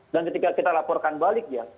ketika kita laporkan balik ya